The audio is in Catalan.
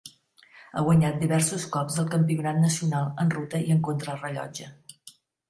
Ha guanyat diversos cops el campionat nacional en ruta i en contrarellotge.